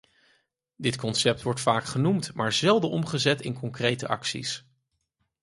Dit concept wordt vaak genoemd, maar zelden omgezet in concrete acties.